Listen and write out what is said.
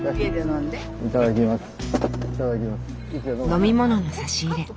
飲み物の差し入れ。